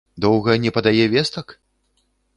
Доўга не падае вестак?